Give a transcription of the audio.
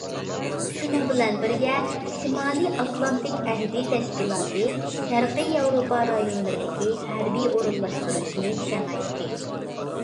شۇنىڭ بىلەن بىرگە شىمالىي ئاتلانتىك ئەھدى تەشكىلاتى شەرقىي ياۋروپا رايونلىرىدىكى ھەربىي ئورۇنلاشتۇرۇشىنى كېڭەيتتى.